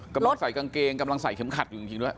กำลังใส่กางเกงกำลังใส่เข็มขัดอยู่จริงด้วย